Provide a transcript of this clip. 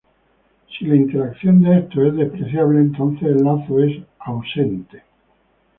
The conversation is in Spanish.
Si la interacción de estos es despreciable entonces el lazo es "ausente".